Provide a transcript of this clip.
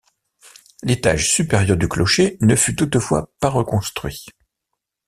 L'étage supérieur du clocher ne fut toutefois pas reconstruit.